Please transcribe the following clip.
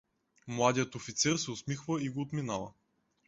Младият офицер се усмихва и го отминава.